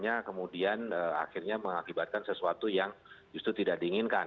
yang kemudian akhirnya mengakibatkan sesuatu yang justru tidak diinginkan